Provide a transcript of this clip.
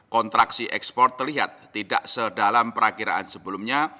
kontraksi ekspor terlihat tidak sedalam perakiraan sebelumnya